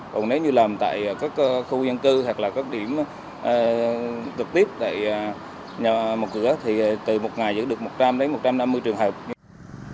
còn nếu như làm tại các khu dân cư hoặc là các điểm trực tiếp tại nhà một cửa thì từ một ngày giữ được một trăm linh đến một trăm năm mươi trường hợp